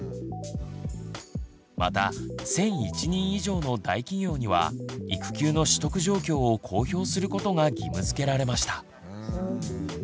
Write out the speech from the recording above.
また１，００１人以上の大企業には育休の取得状況を公表することが義務づけられました。